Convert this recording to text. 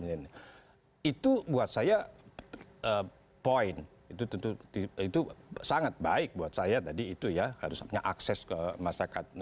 itu buat saya poin itu sangat baik buat saya tadi itu ya harus punya akses ke masyarakat